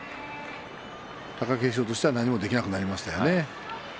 貴景勝としては何もできなくなりましたね。